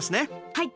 はい。